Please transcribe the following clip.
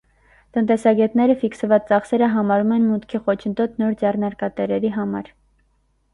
Տնտեսագետները ֆիքսված ծախսերը համարում են մուտքի խոչընդոտ նոր ձեռնարկատերերի համար։